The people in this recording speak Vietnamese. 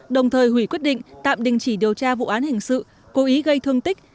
đồng thời hủy quyết định tạm đình chỉ điều tra vụ án hình sự cố ý gây thương tích